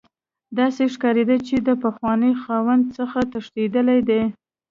داسې ښکاریده چې د پخواني خاوند څخه تښتیدلی دی